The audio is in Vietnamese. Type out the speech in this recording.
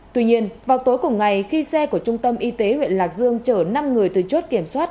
tuy nhiên vào tối cùng ngày khi xe của trung tâm y tế huyện lạc dương chở năm người từ chốt kiểm soát